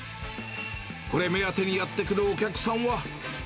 これ目当てにやって来るお客さんは。